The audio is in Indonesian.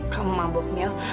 kamu mabuk mil